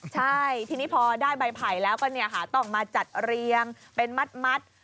ใช่ทีนี้พอได้ใบไผ่แล้วก็ต้องมาจัดเรียงเป็นมัด